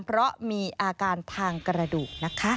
เพราะมีอาการทางกระดูกนะคะ